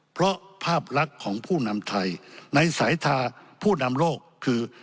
เพราะภาพลักษณ์ของผู้นำไทยในสายทาผู้นำโลกคือ